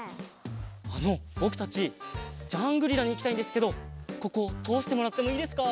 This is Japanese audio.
あのぼくたちジャングリラにいきたいんですけどこことおしてもらってもいいですか？